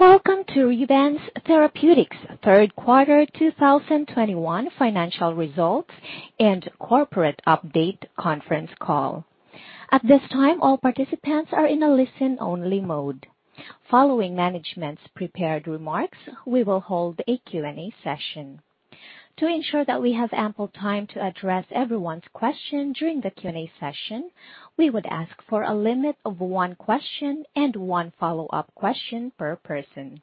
Welcome to Revance Therapeutics third quarter 2021 financial results and corporate update conference call. At this time, all participants are in a listen-only mode. Following management's prepared remarks, we will hold a Q&A session. To ensure that we have ample time to address everyone's question during the Q&A session, we would ask for a limit of one question and one follow-up question per person.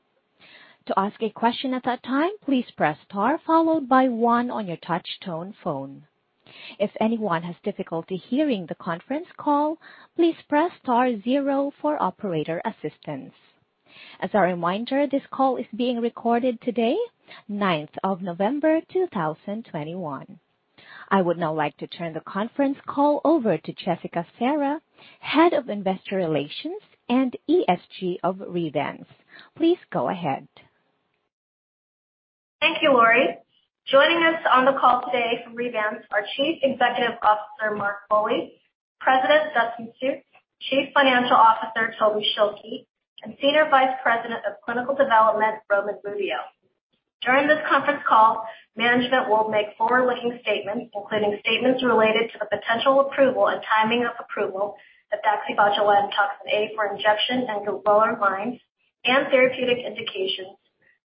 To ask a question at that time, please press Star followed by one on your touch tone phone. If anyone has difficulty hearing the conference call, please press star zero for operator assistance. As a reminder, this call is being recorded today, 9th of November, 2021. I would now like to turn the conference call over to Jessica Serra, Head of Investor Relations and ESG of Revance. Please go ahead. Thank you, Laurie. Joining us on the call today from Revance are Chief Executive Officer, Mark Foley, President, Dustin Sjuts, Chief Financial Officer, Tobin Schilke, and Senior Vice President of Clinical Development, Roman Rubio. During this conference call, management will make forward-looking statements, including statements related to the potential approval and timing of approval of DaxibotulinumtoxinA for Injection and glabellar lines and therapeutic indications.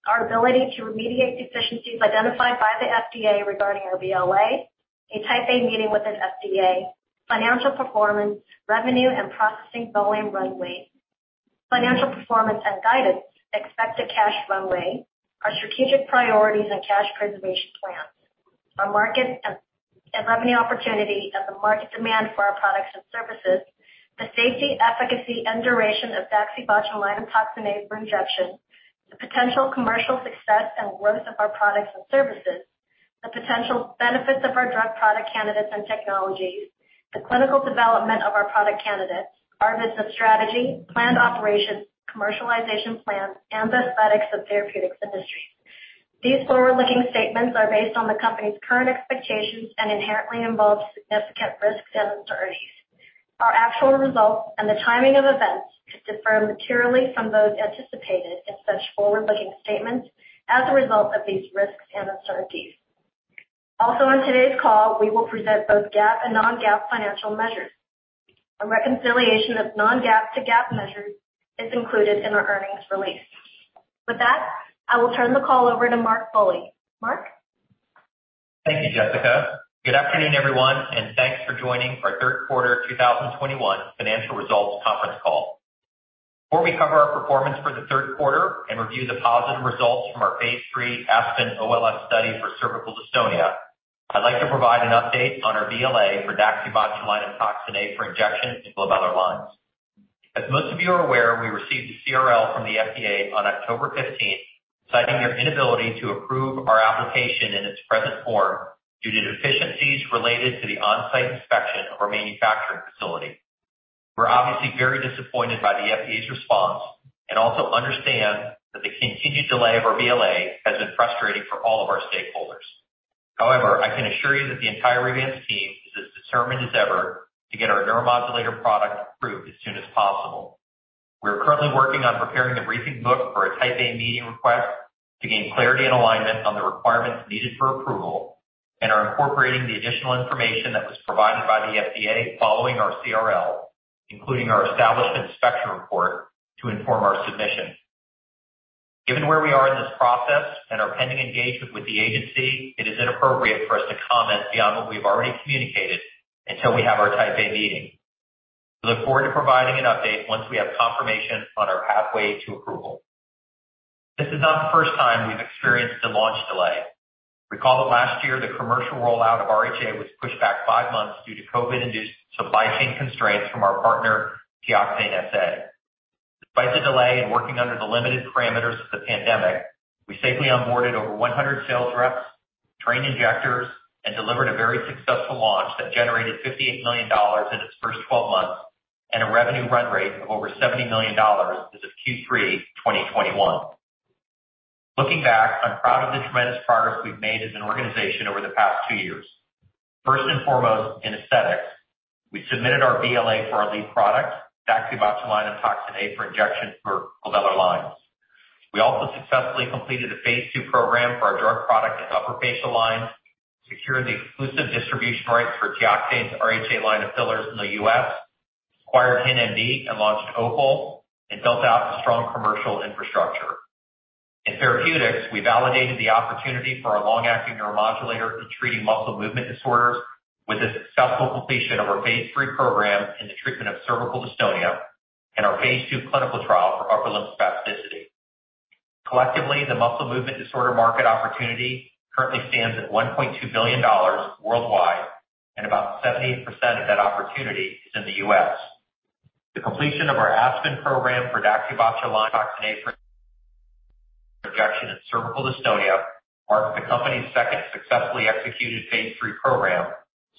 Our ability to remediate deficiencies identified by the FDA regarding our BLA, a Type A meeting with the FDA, financial performance, revenue and processing volume runway, financial performance and guidance, expected cash runway, our strategic priorities and cash preservation plans, our market and revenue opportunity and the market demand for our products and services, the safety, efficacy and duration of DaxibotulinumtoxinA for Injection, the potential commercial success and worth of our products and services, the potential benefits of our drug product candidates and technologies, the clinical development of our product candidates, our business strategy, planned operations, commercialization plans, and the aesthetics and therapeutics industries. These forward-looking statements are based on the company's current expectations and inherently involve significant risks and uncertainties. Our actual results and the timing of events could differ materially from those anticipated in such forward-looking statements as a result of these risks and uncertainties. Also, on today's call, we will present both GAAP and non-GAAP financial measures. A reconciliation of non-GAAP to GAAP measures is included in our earnings release. With that, I will turn the call over to Mark Foley. Mark? Thank you, Jessica. Good afternoon, everyone, and thanks for joining our third quarter 2021 financial results conference call. Before we cover our performance for the third quarter and review the positive results from our phase III ASPEN-OLS study for cervical dystonia, I'd like to provide an update on our BLA for DaxibotulinumtoxinA for injection in glabellar lines. As most of you are aware, we received a CRL from the FDA on October 15, citing their inability to approve our application in its present form due to deficiencies related to the on-site inspection of our manufacturing facility. We're obviously very disappointed by the FDA's response and also understand that the continued delay of our BLA has been frustrating for all of our stakeholders. However, I can assure you that the entire Revance team is as determined as ever to get our neuromodulator product approved as soon as possible. We are currently working on preparing a briefing book for a Type A meeting request to gain clarity and alignment on the requirements needed for approval and are incorporating the additional information that was provided by the FDA following our CRL, including our establishment inspection report to inform our submission. Given where we are in this process and our pending engagement with the agency, it is inappropriate for us to comment beyond what we've already communicated until we have our Type A meeting. We look forward to providing an update once we have confirmation on our pathway to approval. This is not the first time we've experienced a launch delay. Recall that last year, the commercial rollout of RHA was pushed back five months due to COVID-induced supply chain constraints from our partner, Teoxane SA. Despite the delay in working under the limited parameters of the pandemic, we safely onboarded over 100 sales reps, trained injectors, and delivered a very successful launch that generated $58 million in its first 12 months and a revenue run rate of over $70 million as of Q3 2021. Looking back, I'm proud of the tremendous progress we've made as an organization over the past two years. First and foremost, in aesthetics, we submitted our BLA for our lead product, DaxibotulinumtoxinA for Injection for glabellar lines. We successfully completed a phase II program for our drug product in upper facial lines, secured the exclusive distribution rights for Teoxane's RHA line of fillers in the U.S., acquired HintMD and launched OPUL, and built out a strong commercial infrastructure. In therapeutics, we validated the opportunity for our long-acting neuromodulator in treating muscle movement disorders with the successful completion of our phase III program in the treatment of cervical dystonia and our phase II clinical trial for upper limb spasticity. Collectively, the muscle movement disorder market opportunity currently stands at $1.2 billion worldwide, and about 78% of that opportunity is in the U.S. The completion of our ASPEN program for DaxibotulinumtoxinA for injection and cervical dystonia marks the company's second successfully executed phase III program,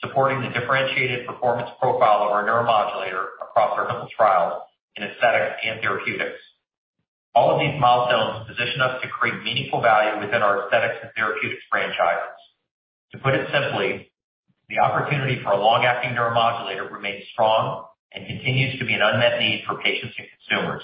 supporting the differentiated performance profile of our neuromodulator across our clinical trials in aesthetics and therapeutics. All of these milestones position us to create meaningful value within our aesthetics and therapeutics franchise. To put it simply, the opportunity for a long-acting neuromodulator remains strong and continues to be an unmet need for patients and consumers.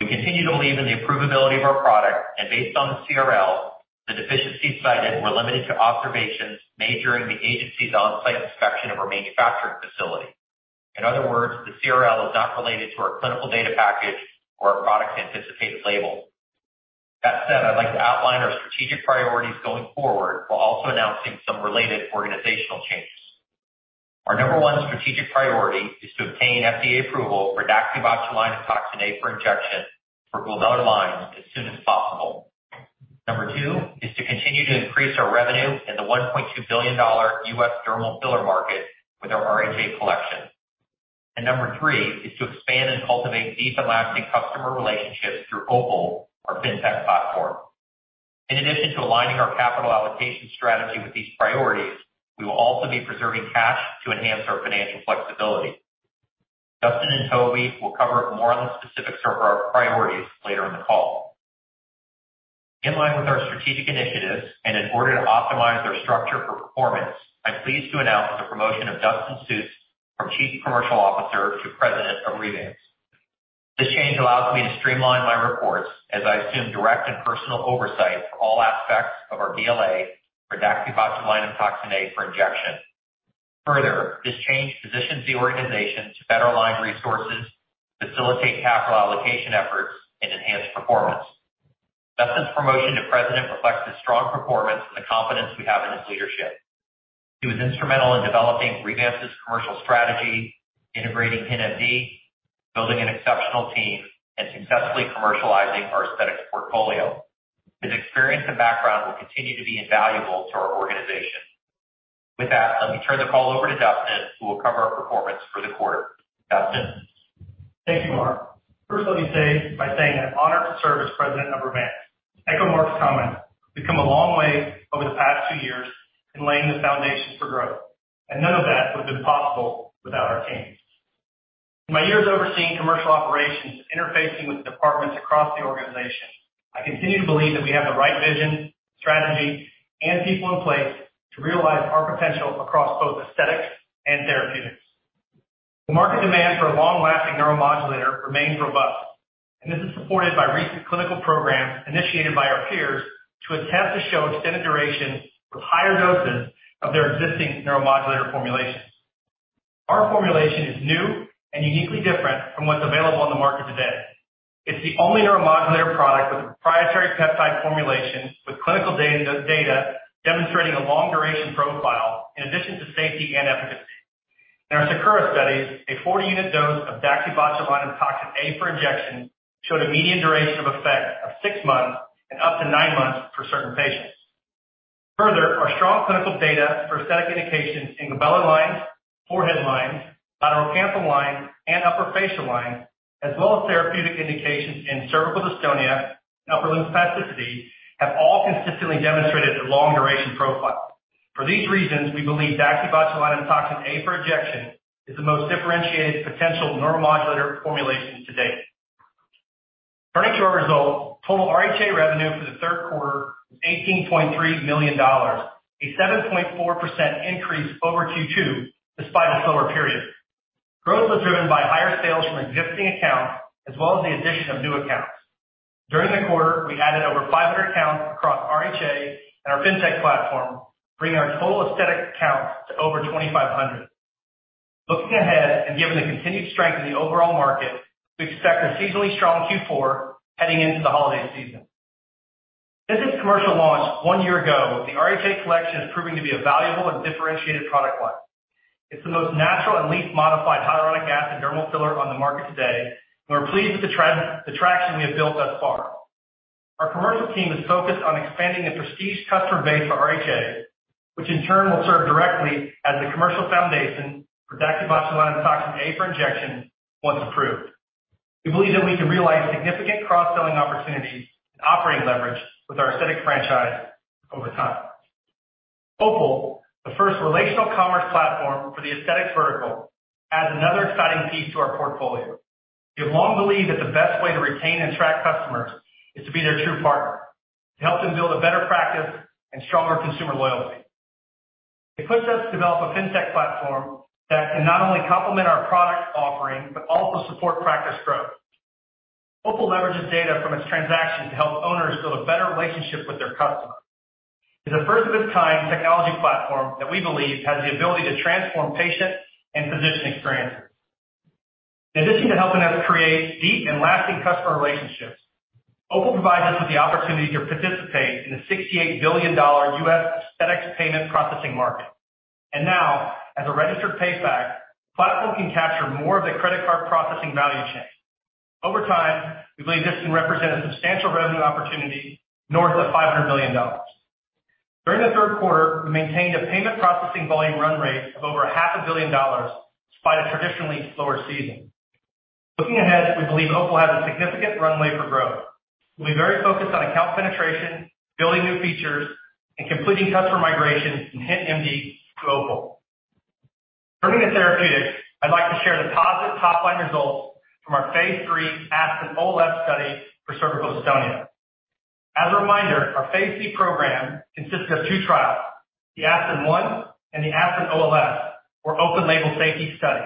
We continue to believe in the approvability of our product, and based on the CRL, the deficiencies cited were limited to observations made during the agency's on-site inspection of our manufacturing facility. In other words, the CRL is not related to our clinical data package or our product's anticipated label. That said, I'd like to outline our strategic priorities going forward while also announcing some related organizational changes. Our number one strategic priority is to obtain FDA approval for DaxibotulinumtoxinA for Injection for glabellar lines as soon as possible. Number two is to continue to increase our revenue in the $1.2 billion U.S. dermal filler market with our RHA Collection. Number three is to expand and cultivate deep and lasting customer relationships through OPUL, our FinTech platform. In addition to aligning our capital allocation strategy with these priorities, we will also be preserving cash to enhance our financial flexibility. Dustin and Toby will cover more on the specifics of our priorities later in the call. In line with our strategic initiatives and in order to optimize our structure for performance, I'm pleased to announce the promotion of Dustin Sjuts from Chief Commercial Officer to President of Revance. This change allows me to streamline my reports as I assume direct and personal oversight for all aspects of our BLA for DaxibotulinumtoxinA for Injection. Further, this change positions the organization to better align resources, facilitate capital allocation efforts, and enhance performance. Dustin's promotion to president reflects his strong performance and the confidence we have in his leadership. He was instrumental in developing Revance's commercial strategy, integrating HintMD, building an exceptional team, and successfully commercializing our aesthetics portfolio. His experience and background will continue to be invaluable to our organization. With that, let me turn the call over to Dustin, who will cover our performance for the quarter. Dustin. Thank you, Mark. First let me say, by saying I'm honored to serve as President of Revance. To echo Mark's comments, we've come a long way over the past two years in laying the foundations for growth, and none of that would've been possible without our teams. In my years overseeing commercial operations and interfacing with departments across the organization, I continue to believe that we have the right vision, strategy, and people in place to realize our potential across both aesthetics and therapeutics. The market demand for a long-lasting neuromodulator remains robust, and this is supported by recent clinical programs initiated by our peers to attempt to show extended duration with higher doses of their existing neuromodulator formulations. Our formulation is new and uniquely different from what's available on the market today. It's the only neuromodulator product with a proprietary peptide formulation with clinical data demonstrating a long duration profile in addition to safety and efficacy. In our SAKURA studies, a 40-unit dose of DaxibotulinumtoxinA for Injection showed a median duration of effect of six months and up to nine months for certain patients. Further, our strong clinical data for aesthetic indications in glabellar lines, forehead lines, lateral canthal lines, and upper facial lines, as well as therapeutic indications in cervical dystonia and upper limb spasticity, have all consistently demonstrated their long-duration profile. For these reasons, we believe DaxibotulinumtoxinA for Injection is the most differentiated potential neuromodulator formulation to date. Turning to our results, total RHA revenue for the third quarter was $18.3 million, a 7.4% increase over Q2 despite a slower period. Growth was driven by higher sales from existing accounts as well as the addition of new accounts. During the quarter, we added over 500 accounts across RHA and our FinTech platform, bringing our total aesthetic accounts to over 2,500. Looking ahead and given the continued strength in the overall market, we expect a seasonally strong Q4 heading into the holiday season. Since its commercial launch one year ago, the RHA Collection is proving to be a valuable and differentiated product line. It's the most natural and least modified hyaluronic acid dermal filler on the market today, and we're pleased with the traction we have built thus far. Our commercial team is focused on expanding the prestige customer base for RHA, which in turn will serve directly as the commercial foundation for DaxibotulinumtoxinA for Injection once approved. We believe that we can realize significant cross-selling opportunities and operating leverage with our aesthetic franchise over time. OPUL, the first relational commerce platform for the aesthetics vertical, adds another exciting piece to our portfolio. We have long believed that the best way to retain and attract customers is to be their true partner, to help them build a better practice and stronger consumer loyalty. It puts us to develop a FinTech platform that can not only complement our product offering, but also support practice growth. OPUL leverages data from its transaction to help owners build a better relationship with their customer. It's a first-of-its-kind technology platform that we believe has the ability to transform patient and physician experiences. In addition to helping us create deep and lasting customer relationships, OPUL provides us with the opportunity to participate in the $68 billion U.S. aesthetics payment processing market. Now, as a registered PayFac, the platform can capture more of the credit card processing value chain. Over time, we believe this can represent a substantial revenue opportunity north of $500 million. During the third quarter, we maintained a payment processing volume run rate of over $500 million despite a traditionally slower season. Looking ahead, we believe OPUL has a significant runway for growth. We'll be very focused on account penetration, building new features, and completing customer migration from HintMD to OPUL. Turning to therapeutics, I'd like to share the positive top-line results from our phase III ASPEN-OLS study for cervical dystonia. As a reminder, our phase III program consists of two trials, the ASPEN-1 and the ASPEN-OLS or open-label safety study.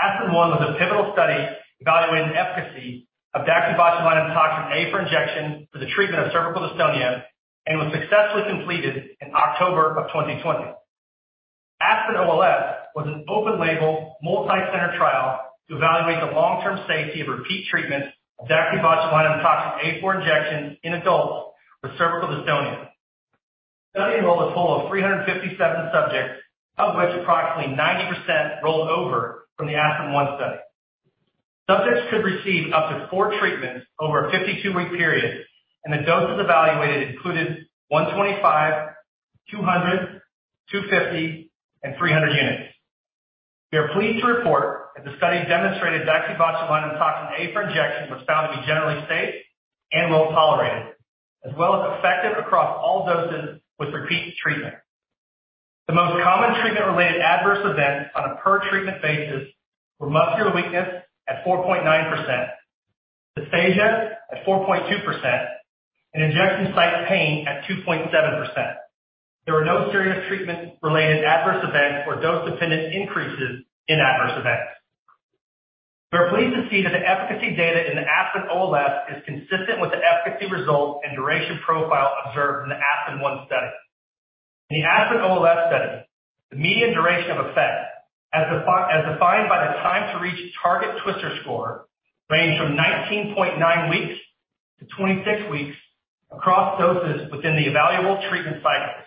ASPEN-1 was a pivotal study evaluating the efficacy of DaxibotulinumtoxinA for injection for the treatment of cervical dystonia and was successfully completed in October 2020. ASPEN-OLS was an open-label, multi-center trial to evaluate the long-term safety of repeat treatments of DaxibotulinumtoxinA for injection in adults with cervical dystonia. The study enrolled a total of 357 subjects, of which approximately 90% rolled over from the ASPEN-1 study. Subjects could receive up to four treatments over a 52-week period, and the doses evaluated included 125, 200, 250, and 300 units. We are pleased to report that the study demonstrated DaxibotulinumtoxinA for injection was found to be generally safe and well-tolerated, as well as effective across all doses with repeat treatment. The most common treatment-related adverse events on a per treatment basis were muscular weakness at 4.9%, dysphagia at 4.2%, and injection site pain at 2.7%. There were no serious treatment-related adverse events or dose-dependent increases in adverse events. We are pleased to see that the efficacy data in the ASPEN-OLS is consistent with the efficacy results and duration profile observed in the ASPEN-1 study. In the ASPEN-OLS study, the median duration of effect as defined by the time to reach target TWSTRS score ranged from 19.9 weeks-26 weeks across doses within the evaluable treatment cycles.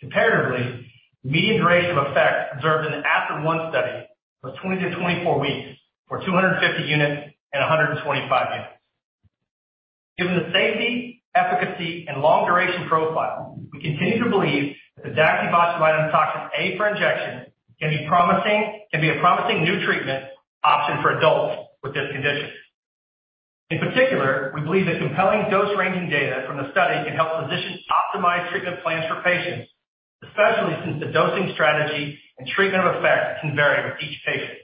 Comparatively, the median duration of effect observed in the ASPEN-1 study was 20 weeks-24 weeks for 250 units and 125 units. Given the safety, efficacy and long duration profile, we continue to believe that the DaxibotulinumtoxinA for Injection can be promising, can be a promising new treatment option for adults with this condition. In particular, we believe that compelling dose ranging data from the study can help physicians optimize treatment plans for patients, especially since the dosing strategy and treatment effect can vary with each patient.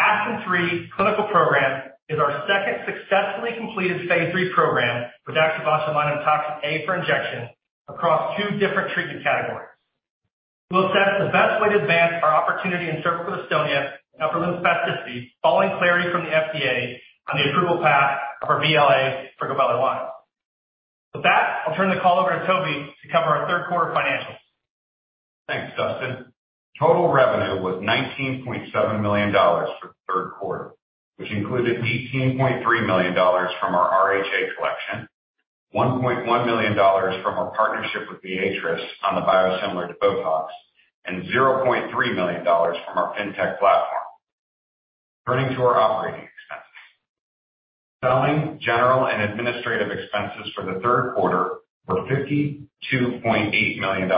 ASPEN Phase III clinical program is our second successfully completed phase III program with DaxibotulinumtoxinA for Injection across two different treatment categories. We'll assess the best way to advance our opportunity in cervical dystonia and upper limb spasticity following clarity from the FDA on the approval path of our BLA for glabellar. With that, I'll turn the call over to Toby to cover our third quarter financials. Thanks, Dustin. Total revenue was $19.7 million for the third quarter, which included $18.3 million from our RHA Collection, $1.1 million from our partnership with Viatris on the biosimilar to BOTOX, and $0.3 million from our FinTech platform. Turning to our operating expenses. Selling general and administrative expenses for the third quarter were $52.8 million.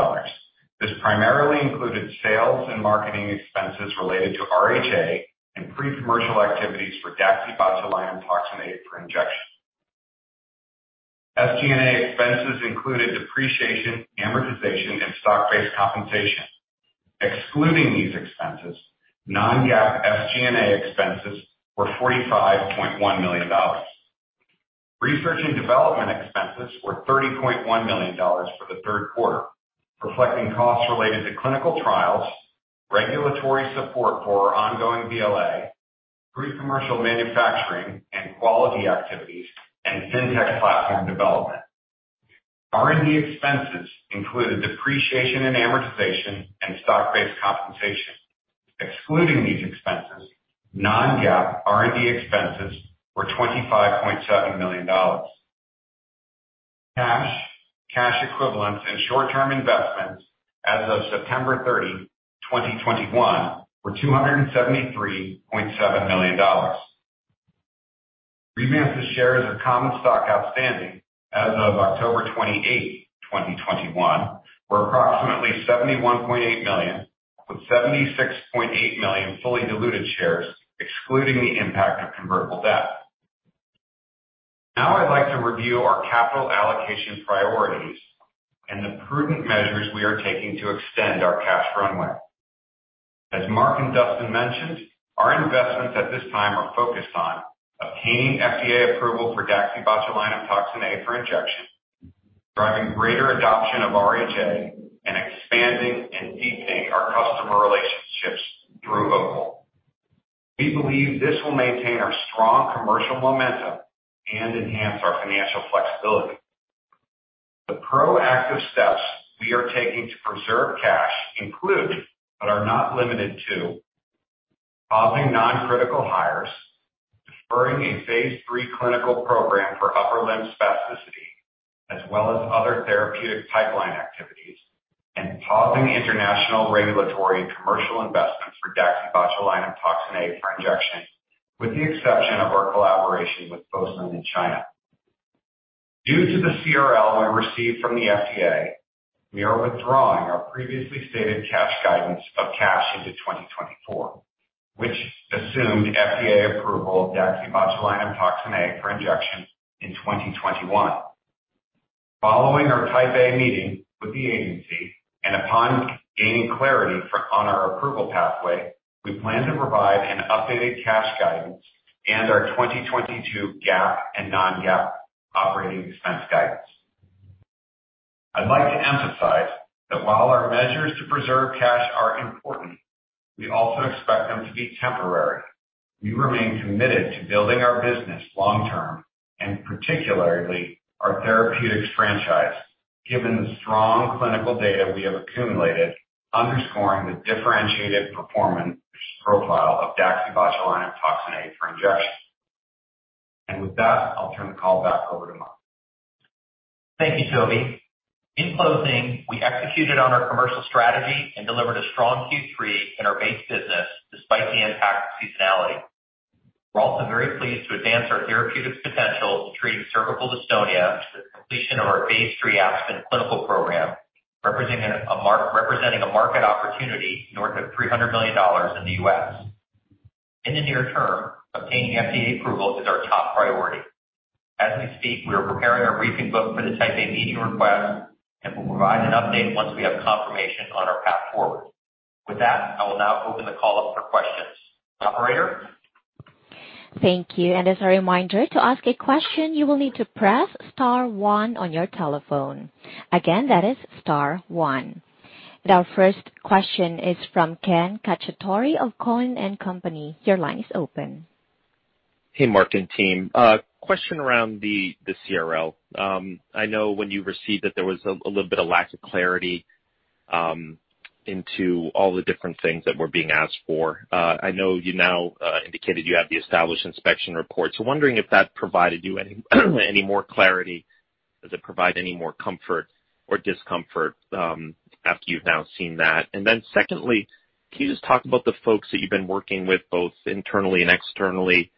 This primarily included sales and marketing expenses related to RHA and pre-commercial activities for DaxibotulinumtoxinA for Injection. SG&A expenses included depreciation, amortization, and stock-based compensation. Excluding these expenses, non-GAAP SG&A expenses were $45.1 million. Research and development expenses were $30.1 million for the third quarter, reflecting costs related to clinical trials, regulatory support for our ongoing BLA, pre-commercial manufacturing and quality activities, and FinTech platform development. R&D expenses included depreciation and amortization and stock-based compensation. Excluding these expenses, non-GAAP R&D expenses were $25.7 million. Cash, cash equivalents, and short-term investments as of September 30, 2021, were $273.7 million. Revance's shares of common stock outstanding as of October 28, 2021, were approximately 71.8 million, with 76.8 million fully diluted shares, excluding the impact of convertible debt. Now I'd like to review our capital allocation priorities and the prudent measures we are taking to extend our cash runway. As Mark and Dustin mentioned, our investments at this time are focused on obtaining FDA approval for DaxibotulinumtoxinA for Injection, driving greater adoption of RHA, and expanding and deepening our customer relationships through OPUL. We believe this will maintain our strong commercial momentum and enhance our financial flexibility. The proactive steps we are taking to preserve cash include, but are not limited to, pausing non-critical hires, deferring a phase III clinical program for upper limb spasticity, as well as other therapeutic pipeline activities, and pausing the international regulatory and commercial investments for DaxibotulinumtoxinA for Injection, with the exception of our collaboration with Fosun in China. Due to the CRL we received from the FDA, we are withdrawing our previously stated cash guidance of cash into 2024, which assumed FDA approval of DaxibotulinumtoxinA for Injection in 2021. Following our Type A meeting with the agency and upon gaining clarity on our approval pathway, we plan to provide an updated cash guidance and our 2022 GAAP and non-GAAP operating expense guidance. I'd like to emphasize that while our measures to preserve cash are important, we also expect them to be temporary. We remain committed to building our business long term, and particularly our therapeutics franchise, given the strong clinical data we have accumulated underscoring the differentiated performance profile of DaxibotulinumtoxinA for Injection. With that, I'll turn the call back over to Mark. Thank you, Toby. In closing, we executed on our commercial strategy and delivered a strong Q3 in our base business despite the impact of seasonality. We're also very pleased to advance our therapeutics potential to treat cervical dystonia with the completion of our phase III ASPEN clinical program, representing a market opportunity north of $300 million in the U.S. In the near term, obtaining FDA approval is our top priority. As we speak, we are preparing our briefing book for the Type A meeting request, and we'll provide an update once we have confirmation on our path forward. With that, I will now open the call up for questions. Operator? Thank you. As a reminder, to ask a question, you will need to press star one on your telephone. Again, that is star one. Our first question is from Ken Cacciatore of Cowen and Company. Your line is open. Hey, Mark and team. Question around the CRL. I know when you received it, there was a little bit of lack of clarity into all the different things that were being asked for. I know you now indicated you have the establishment inspection reports. I'm wondering if that provided you any more clarity. Does it provide any more comfort or discomfort after you've now seen that? And then secondly, can you just talk about the folks that you've been working with both internally and externally,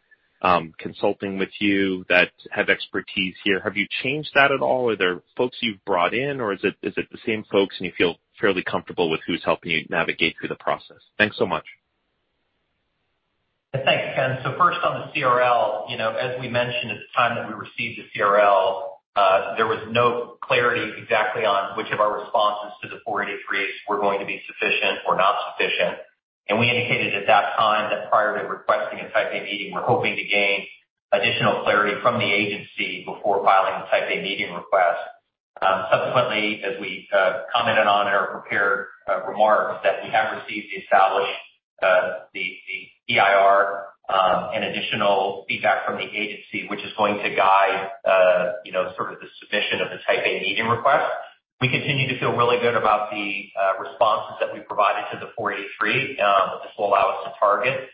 consulting with you that have expertise here? Have you changed that at all? Are there folks you've brought in or is it the same folks and you feel fairly comfortable with who's helping you navigate through the process? Thanks so much. Thanks, Ken. First on the CRL, you know, as we mentioned at the time that we received the CRL, there was no clarity exactly on which of our responses to the 483s were going to be sufficient or not sufficient. We indicated at that time that prior to requesting a Type A meeting, we're hoping to gain additional clarity from the agency before filing the Type A meeting request. Subsequently, as we commented on in our prepared remarks, we have received the EIR and additional feedback from the agency, which is going to guide you know sort of the submission of the Type A meeting request. We continue to feel really good about the responses that we provided to the 483. This will allow us to target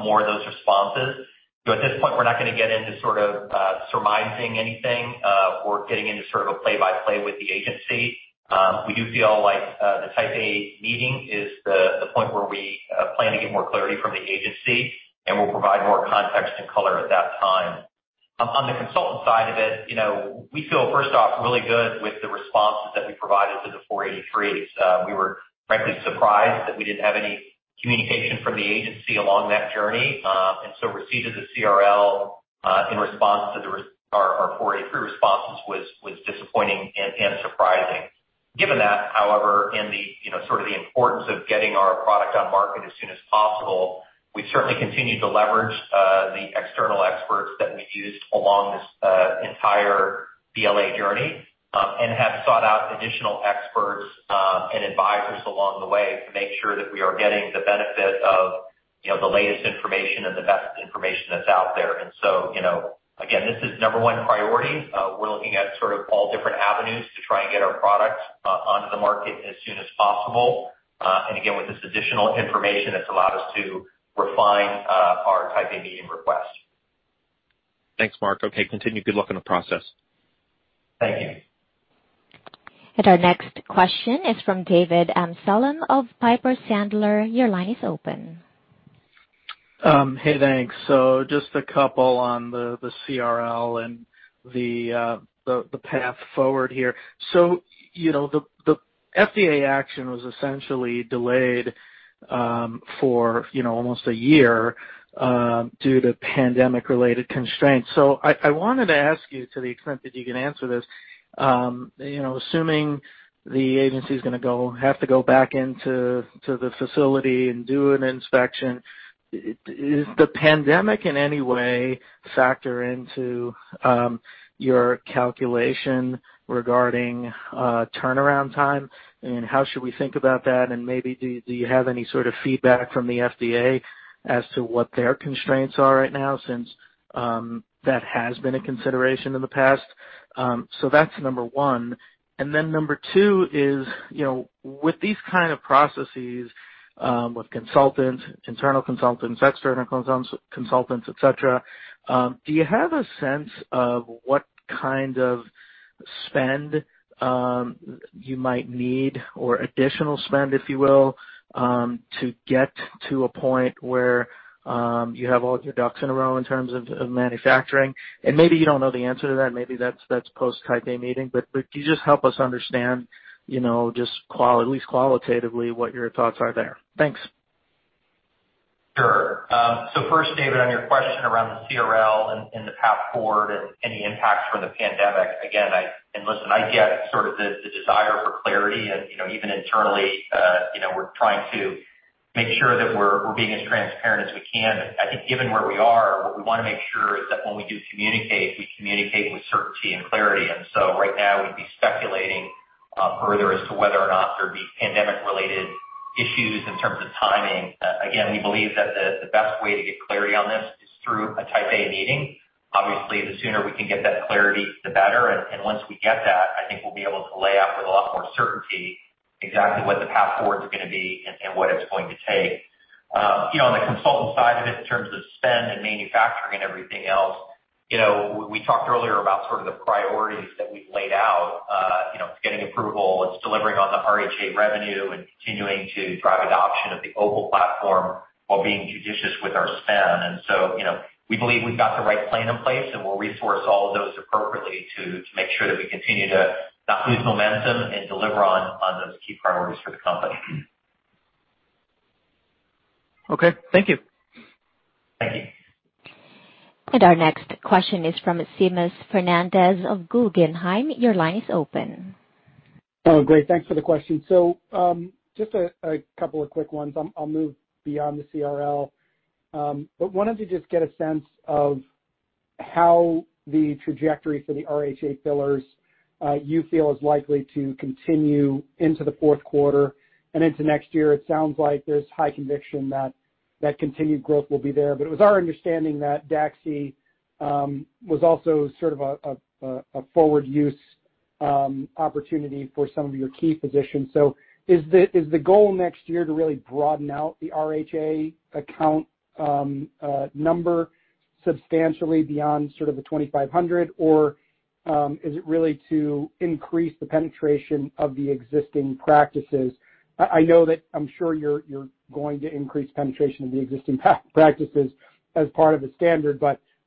more of those responses. At this point, we're not gonna get into sort of surmising anything or getting into sort of a play-by-play with the agency. We do feel like the Type A meeting is the point where we plan to get more clarity from the agency, and we'll provide more context and color at that time. On the consultant side of it, you know, we feel first off really good with the responses that we provided to the 483s. We were frankly surprised that we didn't have any communication from the agency along that journey. Receipt of the CRL in response to our 483 responses was disappointing and surprising. Given that, however, you know, sort of the importance of getting our product on market as soon as possible, we certainly continue to leverage the external experts that we used along this entire BLA journey, and have sought out additional experts and advisors along the way to make sure that we are getting the benefit of, you know, the latest information and the best information that's out there. You know, again, this is number one priority. We're looking at sort of all different avenues to try and get our product onto the market as soon as possible. Again, with this additional information, it's allowed us to refine our Type A meeting request. Thanks, Mark. Okay, continue. Good luck in the process. Thank you. Our next question is from David Amsellem of Piper Sandler. Your line is open. Hey, thanks. Just a couple on the CRL and the path forward here. You know, the FDA action was essentially delayed for, you know, almost a year due to pandemic-related constraints. I wanted to ask you, to the extent that you can answer this, you know, assuming the agency's gonna have to go back into the facility and do an inspection, is the pandemic in any way factor into your calculation regarding turnaround time? And how should we think about that? And maybe do you have any sort of feedback from the FDA as to what their constraints are right now since that has been a consideration in the past? That's number one. Number two is, you know, with these kind of processes, with consultants, internal consultants, external consultants, et cetera, do you have a sense of what kind of spend you might need or additional spend, if you will, to get to a point where you have all your ducks in a row in terms of manufacturing? Maybe you don't know the answer to that. Maybe that's post Type A meeting. Can you just help us understand, you know, just at least qualitatively what your thoughts are there? Thanks. Sure. First, David, on your question around the CRL and the path forward and any impacts from the pandemic. Again, listen, I get sort of the desire for clarity. You know, even internally, you know, we're trying to make sure that we're being as transparent as we can. I think given where we are, what we wanna make sure is that when we do communicate, we communicate with certainty and clarity. Right now we'd be speculating further as to whether or not there'd be pandemic-related issues in terms of timing. Again, we believe that the best way to get clarity on this is through a Type A meeting. Obviously, the sooner we can get that clarity, the better. Once we get that, I think we'll be able to lay out with a lot more certainty exactly what the path forward is gonna be and what it's going to take. You know, on the commercial side of it, in terms of spend and manufacturing and everything else, you know, we talked earlier about sort of the priorities that we've laid out. You know, it's getting approval, it's delivering on the RHA revenue and continuing to drive adoption of the OPUL platform while being judicious with our spend. You know, we believe we've got the right plan in place, and we'll resource all of those appropriately to make sure that we continue to not lose momentum and deliver on those key priorities for the company. Okay. Thank you. Thank you. Our next question is from Seamus Fernandez of Guggenheim. Your line is open. Oh, great. Thanks for the question. Just a couple of quick ones. I'll move beyond the CRL. Wanted to just get a sense of how the trajectory for the RHA fillers you feel is likely to continue into the fourth quarter and into next year. It sounds like there's high conviction that continued growth will be there. It was our understanding that DAXI was also sort of a forward use opportunity for some of your key physicians. Is the goal next year to really broaden out the RHA account number substantially beyond sort of the 2,500? Or is it really to increase the penetration of the existing practices? I know that I'm sure you're going to increase penetration of the existing practices as part of the standard.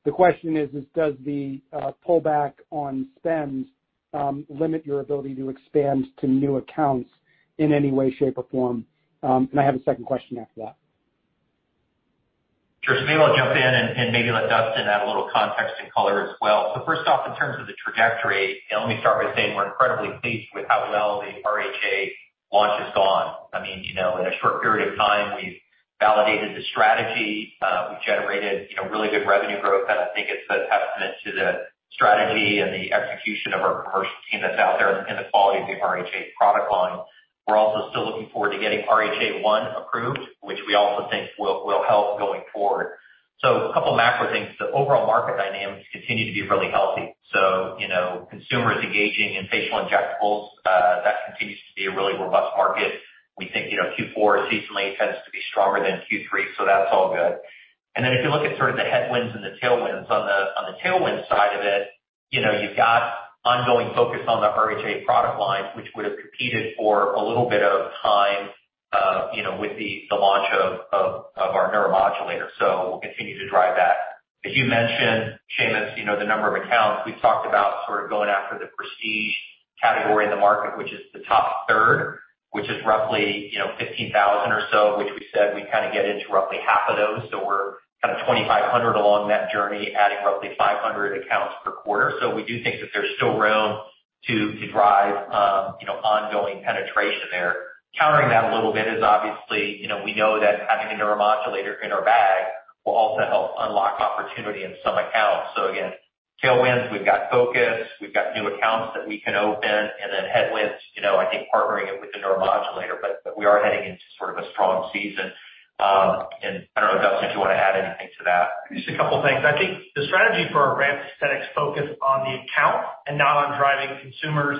The question is, does the pullback on spends limit your ability to expand to new accounts in any way, shape, or form? I have a second question after that. Sure. Seamus, I'll jump in and maybe let Dustin add a little context and color as well. First off, in terms of the trajectory, you know, let me start by saying we're incredibly pleased with how well the RHA launch has gone. I mean, you know, in a short period of time, we've validated the strategy, we've generated, you know, really good revenue growth. And I think it's a testament to the strategy and the execution of our commercial team that's out there and the quality of the RHA product line. We're also still looking forward to getting RHA 1 approved, which we also think will help going forward. A couple macro things. The overall market dynamics continue to be really healthy. You know, consumers engaging in facial injectables, that continues to be a really robust market. We think, you know, Q4 seasonally tends to be stronger than Q3, so that's all good. Then if you look at sort of the headwinds and the tailwinds, on the tailwind side of it, you know, you've got ongoing focus on the RHA product lines, which would've competed for a little bit of time, you know, with the launch of our neuromodulator. We'll continue to drive that. As you mentioned, Seamus, you know, the number of accounts, we've talked about sort of going after the prestige category in the market, which is the top third, which is roughly, you know, 15,000 or so, of which we said we'd kinda get into roughly half of those. We're kind of 2,500 along that journey, adding roughly 500 accounts per quarter. We do think that there's still room to drive, you know, ongoing penetration there. Countering that a little bit is obviously, you know, we know that having a neuromodulator in our bag will also help unlock opportunity in some accounts. Again, tailwinds, we've got focus, we've got new accounts that we can open. Then headwinds, you know, I think partnering it with the neuromodulator. We are heading into sort of a strong season. I don't know, Dustin, if you wanna add anything to that. Just a couple things. I think the strategy for our ramp aesthetics focus on the account and now on driving consumers'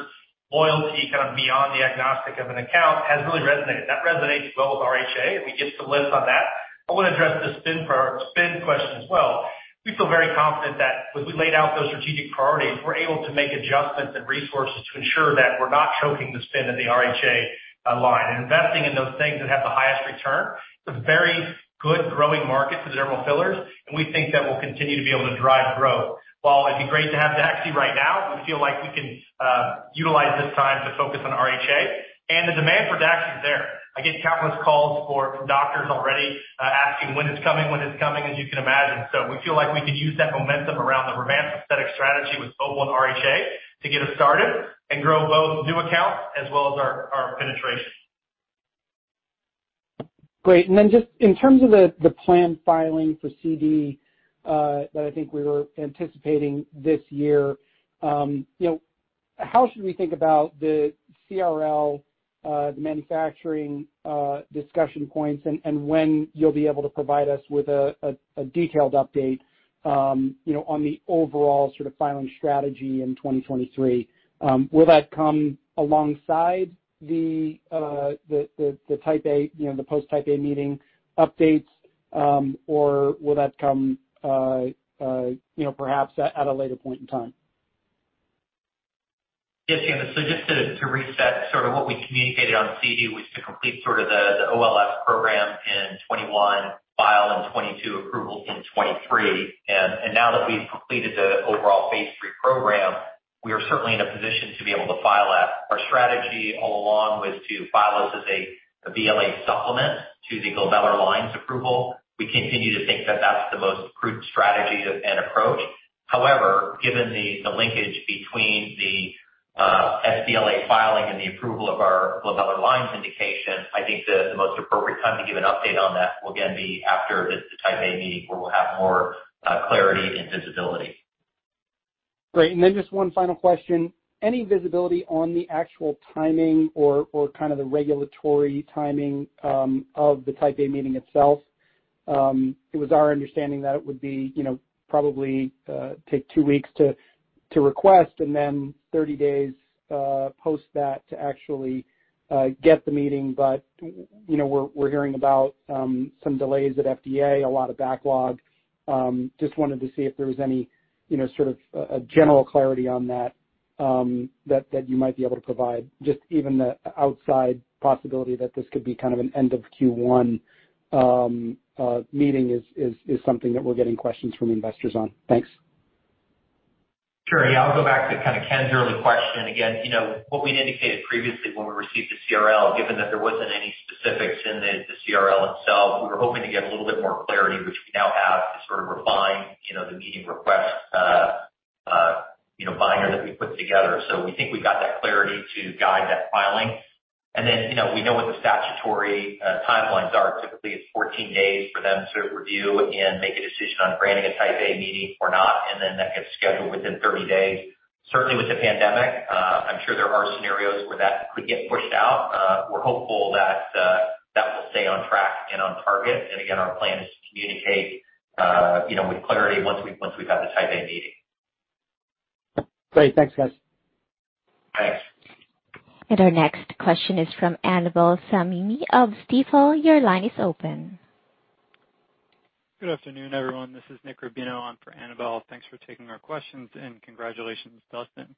loyalty kind of beyond the agnostic of an account has really resonated. That resonates well with RHA, and we get some lift on that. I wanna address the spend question as well. We feel very confident that as we laid out those strategic priorities, we're able to make adjustments and resources to ensure that we're not choking the spend in the RHA line and investing in those things that have the highest return. It's a very good growing market for dermal fillers, and we think that we'll continue to be able to drive growth. While it'd be great to have DAXI right now, we feel like we can utilize this time to focus on RHA. The demand for DAXI's there. I get countless calls for doctors already, asking when it's coming, as you can imagine. We feel like we can use that momentum around the Revance aesthetic strategy with OPUL and RHA to get us started and grow both new accounts as well as our penetration. Great. Just in terms of the planned filing for CD that I think we were anticipating this year, you know, how should we think about the CRL, the manufacturing discussion points and when you'll be able to provide us with a detailed update, you know, on the overall sort of filing strategy in 2023? Will that come alongside the type A, you know, the post type A meeting updates, or will that come, you know, perhaps at a later point in time? Yes, Seamus. Just to reset sort of what we communicated on CD was to complete sort of the OLS program in 2021, file in 2022, approval in 2023. Now that we've completed the overall phase III program, we are certainly in a position to be able to file that. Our strategy all along was to file this as a BLA supplement to the glabellar lines approval. We continue to think that that's the most prudent strategy and approach. However, given the linkage between the sBLA filing and the approval of our glabellar lines indication, I think the most appropriate time to give an update on that will again be after this Type A meeting where we'll have more clarity and visibility. Great. Just one final question. Any visibility on the actual timing or kind of the regulatory timing of the Type A meeting itself? It was our understanding that it would be, you know, probably take two weeks to request and then 30 days post that to actually get the meeting. You know, we're hearing about some delays at FDA, a lot of backlog. Just wanted to see if there was any, you know, sort of a general clarity on that that you might be able to provide. Just even the outside possibility that this could be kind of an end of Q1 meeting is something that we're getting questions from investors on. Thanks. Sure. Yeah, I'll go back to kind of Ken's early question again. You know, what we indicated previously when we received the CRL, given that there wasn't any specifics in the CRL itself, we were hoping to get a little bit more clarity, which we now have to sort of refine, you know, the meeting request, binder that we put together. We think we've got that clarity to guide that filing. You know, we know what the statutory timelines are. Typically, it's 14 days for them to review and make a decision on granting a Type A meeting or not, and then that gets scheduled within 30 days. Certainly, with the pandemic, I'm sure there are scenarios where that could get pushed out. We're hopeful that that will stay on track and on target. Our plan is to communicate, you know, with clarity once we've had the Type A meeting. Great. Thanks, guys. Thanks. Our next question is from Annabel Samimy of Stifel. Your line is open. Good afternoon, everyone. This is Nick Rubino on for Annabel. Thanks for taking our questions, and congratulations, Dustin.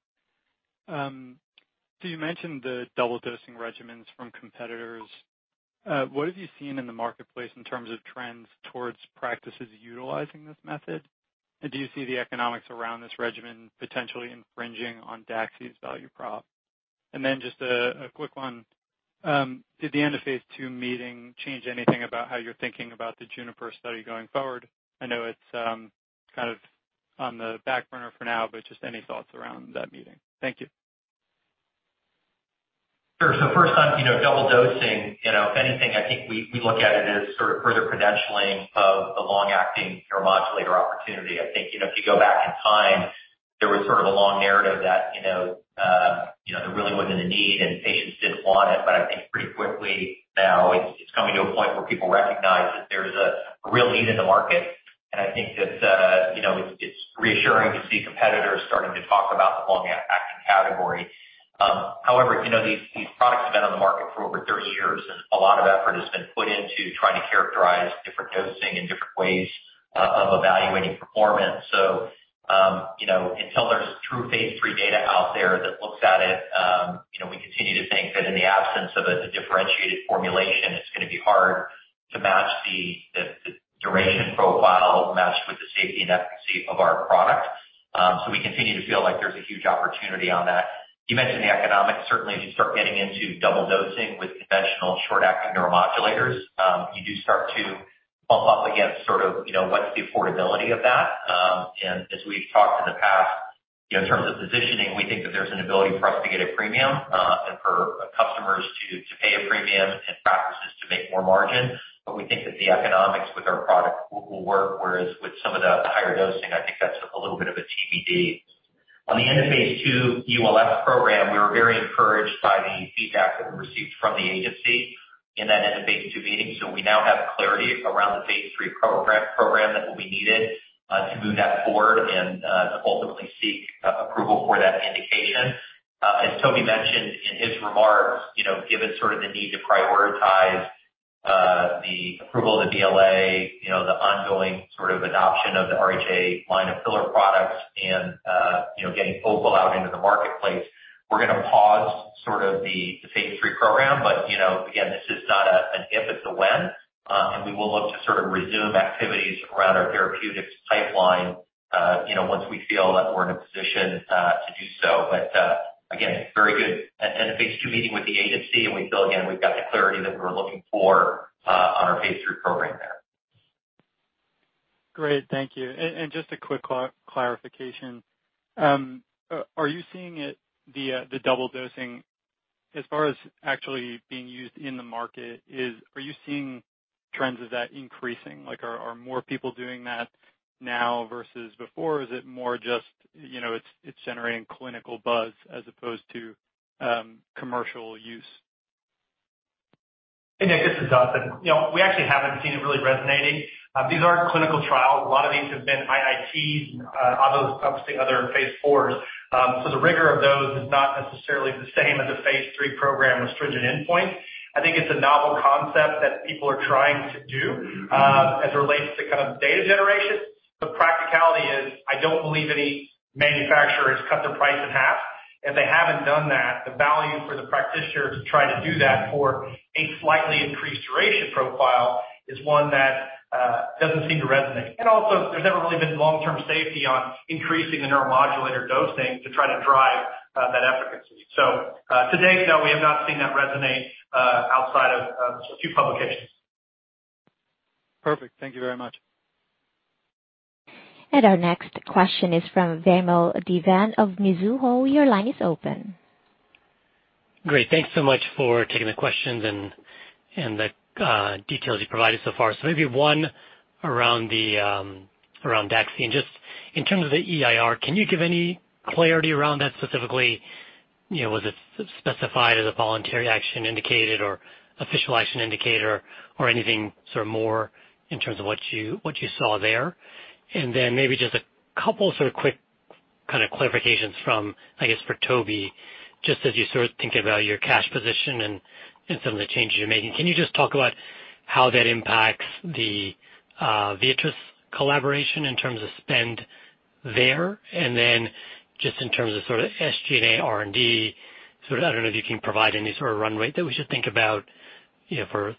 So you mentioned the double dosing regimens from competitors. What have you seen in the marketplace in terms of trends towards practices utilizing this method? And do you see the economics around this regimen potentially infringing on DAXI's value prop? And then just a quick one. Did the end of phase II meeting change anything about how you're thinking about the JUNIPER study going forward? I know it's kind of on the back burner for now, but just any thoughts around that meeting. Thank you. Sure. First on, you know, double dosing. You know, if anything, I think we look at it as sort of further credentialing of the long-acting neuromodulator opportunity. I think, you know, if you go back in time, there was sort of a long narrative that, you know, there really wasn't a need and patients didn't want it. I think pretty quickly now it's coming to a point where people recognize that there's a real need in the market. I think that, you know, it's reassuring to see competitors starting to talk about the long-acting category. However, you know, these products have been on the market for over 30 years, and a lot of effort has been put into trying to characterize different dosing and different ways of evaluating performance. Until there's true phase III data out there that looks at it, we continue to think that in the absence of the differentiated formulation, it's gonna be hard to match the duration profile with the safety and efficacy of our product. We continue to feel like there's a huge opportunity on that. You mentioned the economics. Certainly, as you start getting into double dosing with conventional short-acting neuromodulators, you do start to bump up against sort of, you know, what's the affordability of that. As we've talked in the past, you know, in terms of positioning, we think that there's an ability for us to get a premium, and for customers to pay a premium and practices to make more margin. We think that the economics with our product will work, whereas with some of the higher dosing, I think that's a little bit of a TBD. On the end of phase II ULF program, we were very encouraged by the feedback that we received from the agency in that end of phase II meeting. We now have clarity around the phase III program that will be needed to move that forward and to ultimately seek approval for that indication. As Toby mentioned in his remarks, you know, given sort of the need to prioritize the approval of the BLA, you know, the ongoing sort of adoption of the RHA line of filler products and, you know, getting OPUL out into the marketplace, we're gonna pause sort of the phase III program. You know, again, this is not an if, it's a when. We will look to sort of resume activities around our therapeutics pipeline, you know, once we feel that we're in a position to do so. Again, it's very good end-of-phase II meeting with the agency, and we feel again we've got the clarity that we were looking for on our phase III program there. Great. Thank you. Just a quick clarification. Are you seeing it, the double dosing as far as actually being used in the market? Are you seeing trends of that increasing? Like, are more people doing that now versus before? Is it more just, you know, it's generating clinical buzz as opposed to commercial use? Hey, Nick, this is Dustin. You know, we actually haven't seen it really resonating. These aren't clinical trials. A lot of these have been IITs and, obviously other phase IVs. The rigor of those is not necessarily the same as a phase III program with stringent endpoints. I think it's a novel concept that people are trying to do, as it relates to kind of data generation. The practicality is I don't believe any manufacturer has cut their price in half. If they haven't done that, the value for the practitioner to try to do that for a slightly increased duration profile is one that doesn't seem to resonate. Also, there's never really been long-term safety on increasing the neuromodulator dosing to try to drive that efficacy. To date, no, we have not seen that resonate outside of a few publications. Perfect. Thank you very much. Our next question is from Vamil Divan of Mizuho. Your line is open. Great. Thanks so much for taking the questions and the details you provided so far. Maybe one around DAXI. Just in terms of the EIR, can you give any clarity around that specifically? You know, was it specified as a voluntary action indicated or official action indicator or anything sort of more in terms of what you saw there? Maybe just a couple sort of quick kind of clarifications from, I guess, for Toby, just as you sort of think about your cash position and some of the changes you're making. Can you just talk about how that impacts the Viatris collaboration in terms of spend there? Just in terms of sort of SG&A, R&D, sort of, I don't know if you can provide any sort of run rate that we should think about, you know, for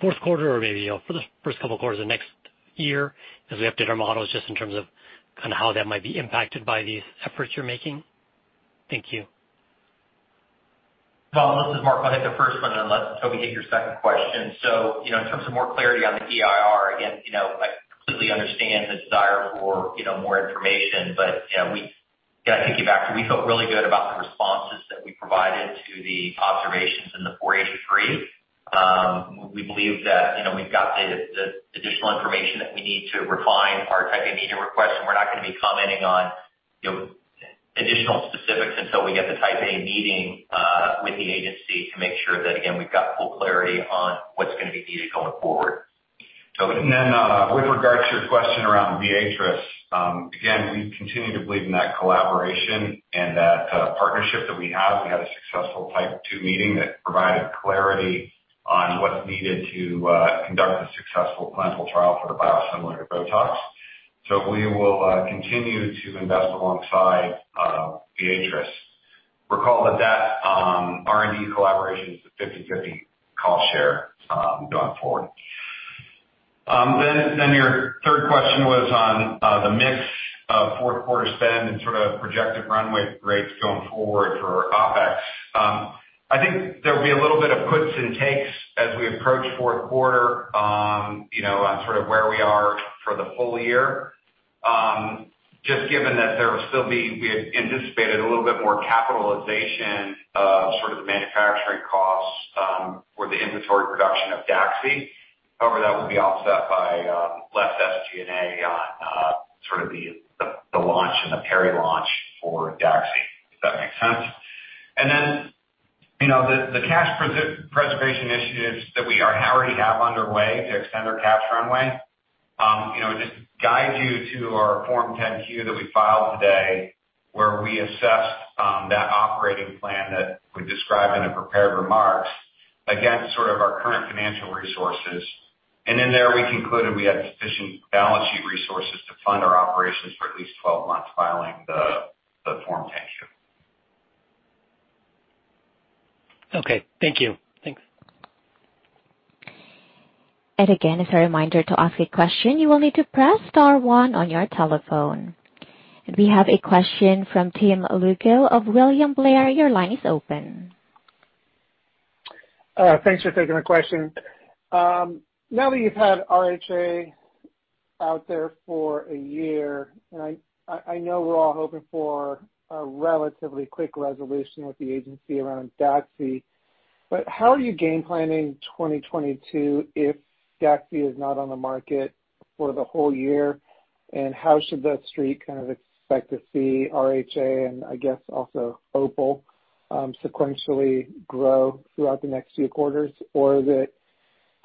fourth quarter or maybe, you know, for the first couple quarters of next year as we update our models, just in terms of kind of how that might be impacted by these efforts you're making. Thank you. Well, this is Mark. I'll hit the first one and let Toby hit your second question. You know, in terms of more clarity on the EIR, again, you know, I completely understand the desire for, you know, more information. You know, we again, I think if you go back to, we felt really good about the responses that we provided to the observations in the 483. We believe that, you know, we've got the additional information that we need to refine our Type A meeting request, and we're not gonna be commenting on, you know, additional specifics until we get the Type A meeting with the agency to make sure that, again, we've got full clarity on what's gonna be needed going forward. Toby? With regards to your question around Viatris, again, we continue to believe in that collaboration and that partnership that we have. We had a successful Type 2 meeting that provided clarity on what's needed to conduct a successful clinical trial for the biosimilar to BOTOX. We will continue to invest alongside Viatris. Recall that R&D collaboration is a 50/50 cost share, going forward. Your third question was on the mix of fourth quarter spend and sort of projected runway rates going forward for OpEx. I think there will be a little bit of puts and takes as we approach fourth quarter, you know, on sort of where we are for the full year. Just given that we had anticipated a little bit more capitalization of sort of the manufacturing costs for the inventory production of DAXI. However, that will be offset by less SG&A on sort of the launch and the pre-launch for DAXI. Does that make sense? Then, you know, the cash preservation initiatives that we already have underway to extend our cash runway, you know, just guide you to our Form 10-Q that we filed today, where we assessed that operating plan that we described in the prepared remarks against sort of our current financial resources. In there, we concluded we had sufficient balance sheet resources to fund our operations for at least 12 months from filing the Form 10-Q. Okay. Thank you. Thanks. Again, as a reminder, to ask a question, you will need to press star one on your telephone. We have a question from Tim Lugo of William Blair. Your line is open. Thanks for taking the question. Now that you've had RHA out there for a year, and I know we're all hoping for a relatively quick resolution with the agency around DAXI. How are you game planning 2022 if DAXI is not on the market for the whole year? How should The Street kind of expect to see RHA and I guess also OPUL sequentially grow throughout the next few quarters? Is it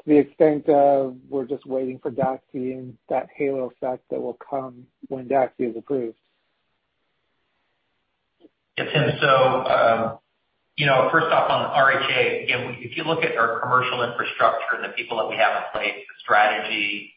to the extent that we're just waiting for DAXI and that halo effect that will come when DAXI is approved? Yeah, Tim. You know, first off, on RHA, again, if you look at our commercial infrastructure, the people that we have in place, the strategy,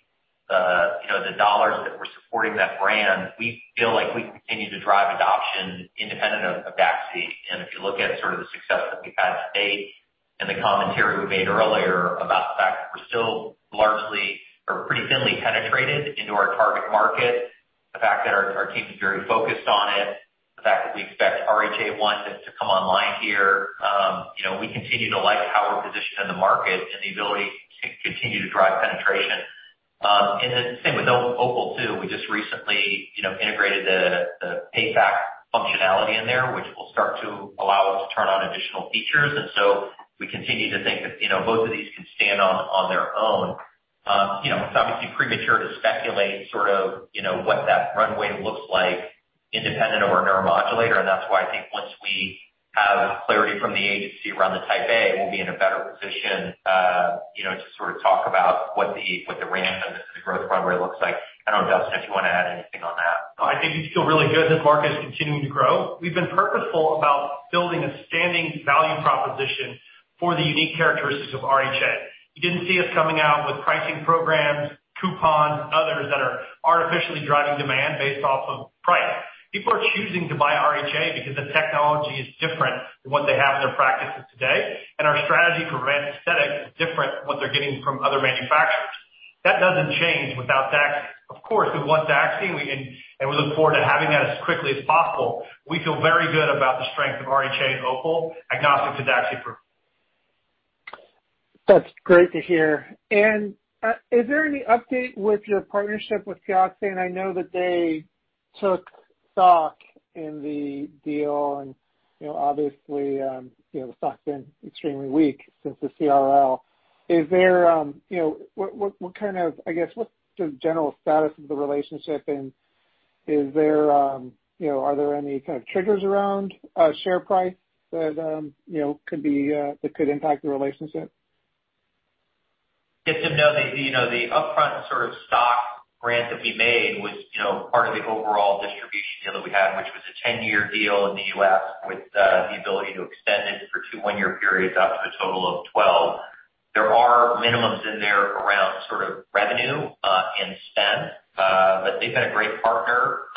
you know, the dollars that we're supporting that brand, we feel like we continue to drive adoption independent of DAXI. If you look at sort of the success that we've had to-date and the commentary we made earlier about the fact that we're still largely or pretty thinly penetrated into our target market, the fact that our team is very focused on it, the fact that we expect RHA 1 to come online here, you know, we continue to like how we're positioned in the market and the ability to continue to drive penetration. Same with OPUL too. We just recently, you know, integrated the payback functionality in there, which will start to allow us to turn on additional features. We continue to think that, you know, both of these can stand on their own. You know, it's obviously premature to speculate sort of, you know, what that runway looks like independent of our neuromodulator, and that's why I think once we have clarity from the agency around the Type A, we'll be in a better position, you know, to sort of talk about what the ramp and the growth runway looks like. I don't know, Dustin, if you wanna add anything on that. I think we feel really good that the market is continuing to grow. We've been purposeful about building a standing value proposition for the unique characteristics of RHA. You didn't see us coming out with pricing programs, coupons, others that are artificially driving demand based off of price. People are choosing to buy RHA because the technology is different than what they have in their practices today. Our strategy for Revance Aesthetics is different than what they're getting from other manufacturers. That doesn't change without DAXI. Of course, we want DAXI, we can and we look forward to having that as quickly as possible. We feel very good about the strength of RHA and OPUL agnostic to DAXI approval. That's great to hear. Is there any update with your partnership with Teoxane? I know that they took stock in the deal and, you know, obviously, you know, the stock's been extremely weak since the CRL. Is there, you know, what kind of... I guess, what's the general status of the relationship? Is there, you know, are there any kind of triggers around share price that, you know, could be that could impact the relationship? Yes, Tim, you know, the upfront sort of stock grant that we made was, you know, part of the overall distribution deal that we had, which was a 10-year deal in the U.S. with the ability to extend it for two one-year periods up to a total of 12. There are minimums in there around sort of revenue and spend, but they've been a great partner.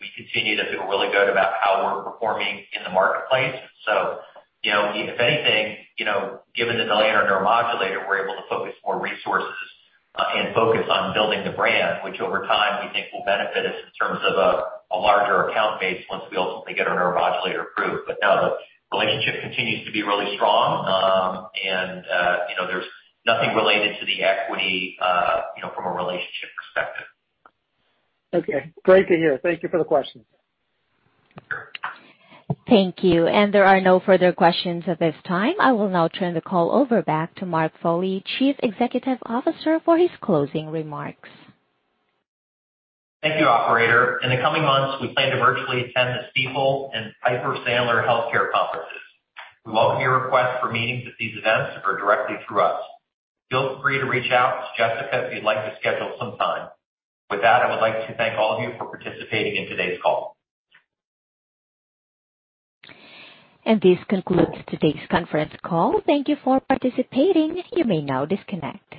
We continue to feel really good about how we're performing in the marketplace. So, you know, if anything, you know, given the delay in our neuromodulator, we're able to focus more resources and focus on building the brand, which over time we think will benefit us in terms of a larger account base once we ultimately get our neuromodulator approved. But no, the relationship continues to be really strong. You know, there's nothing related to the equity, you know, from a relationship perspective. Okay. Great to hear. Thank you for the question. Thank you. There are no further questions at this time. I will now turn the call over back to Mark Foley, Chief Executive Officer, for his closing remarks. Thank you, operator. In the coming months, we plan to virtually attend the Stifel and Piper Sandler Healthcare Conferences. We welcome your request for meetings at these events or directly through us. Feel free to reach out to Jessica if you'd like to schedule some time. With that, I would like to thank all of you for participating in today's call. This concludes today's conference call. Thank you for participating. You may now disconnect.